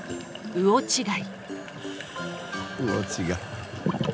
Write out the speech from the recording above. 魚違い。